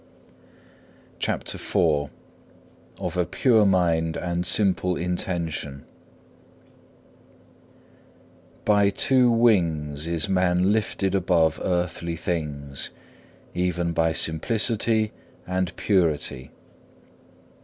CHAPTER IV Of a pure mind and simple intention By two wings is man lifted above earthly things, even by simplicity and purity.